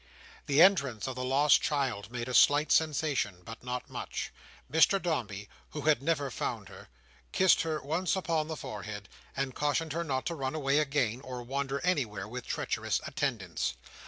The entrance of the lost child made a slight sensation, but not much. Mr Dombey, who had never found her, kissed her once upon the forehead, and cautioned her not to run away again, or wander anywhere with treacherous attendants.